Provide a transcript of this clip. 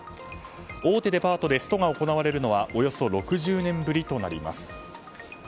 大手デパートでストが行われるのはおよそ６０年ぶりとなります。